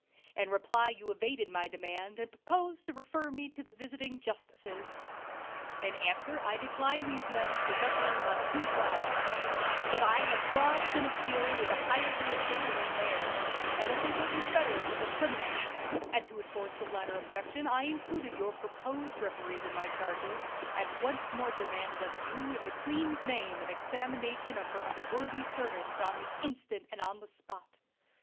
In reply you evaded my demand, and proposed to refer me to the visiting justices. "In answer I declined these men for referees on two grounds, viz., that I had lodged an appeal with a higher jurisdiction than theirs, and that they were confederates of the criminal; and to enforce the latter objection I included your proposed referees in my charges, and once more demanded of you in the queen's name an examination of her unworthy servants on the instant and on the spot.